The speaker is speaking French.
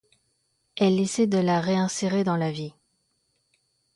Elle essaie de la réinsérer dans la vie.